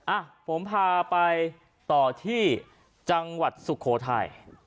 อ่ะผมพาไปต่อที่จังหวัดสุโขทัย